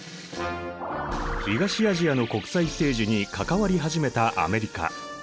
東アジアの国際政治に関わり始めたアメリカ。